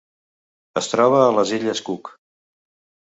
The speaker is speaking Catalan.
Es troba a les Illes Cook.